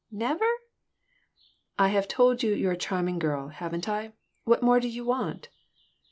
Never?" "I have told you you're a charming girl, haven't I? What more do you want?"